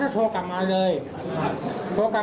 โหของผมมันทั้งหมด๓บัญชี